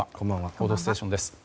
「報道ステーション」です。